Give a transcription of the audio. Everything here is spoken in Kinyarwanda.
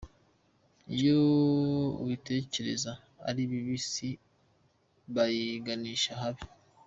Iyo ibitekerezo ari bibi, isi bayiganisha ahabi.